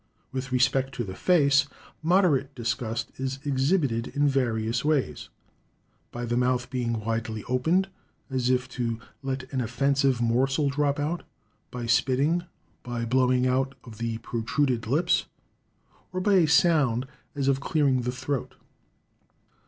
With respect to the face, moderate disgust is exhibited in various ways; by the mouth being widely opened, as if to let an offensive morsel drop out; by spitting; by blowing out of the protruded lips; or by a sound as of clearing the throat.